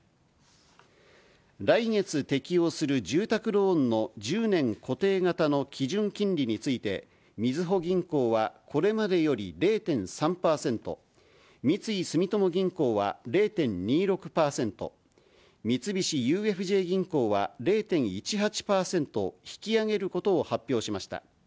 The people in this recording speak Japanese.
来月適用する住宅ローンの１０年固定型の基準金利について、みずほ銀行はこれまでより０．３％、三井住友銀行は０．２６％、三菱ＵＦＪ銀行は０．１８％引き上げることを発表しました。